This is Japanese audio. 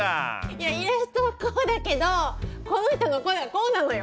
いやイラストはこうだけどこの人の声はこうなのよ